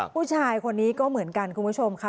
ผู้ชายคนนี้ก็เหมือนกันคุณผู้ชมค่ะ